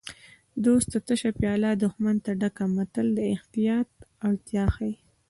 دوست ته تشه پیاله دښمن ته ډکه متل د احتیاط اړتیا ښيي